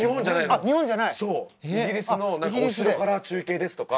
「イギリスのお城から中継です」とか。